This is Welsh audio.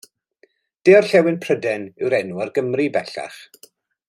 De Orllewin Prydain yw'r enw ar Gymru bellach.